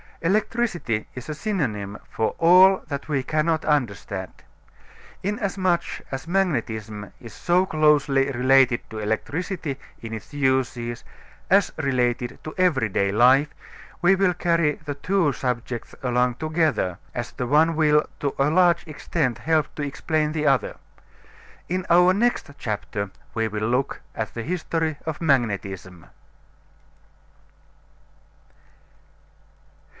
Electricity is a synonym for all that we cannot understand. Inasmuch as magnetism is so closely related to electricity in its uses as related to every day life, we will carry the two subjects along together, as the one will to a large extent help to explain the other. In our next chapter we will look at the history of magnetism.